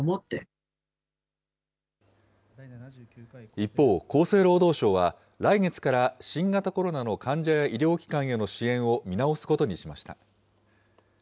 一方、厚生労働省は、来月から新型コロナの患者や医療機関への支援を見直すことにしました。